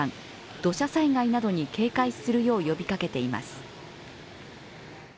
土砂災害などに警戒するよう呼びかけています。